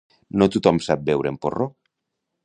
No tothom sap beure amb porró.